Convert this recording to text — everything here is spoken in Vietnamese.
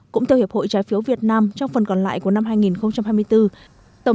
cũng theo hiệp hội trái phiếu việt nam trong phần còn lại của năm hai nghìn hai mươi bốn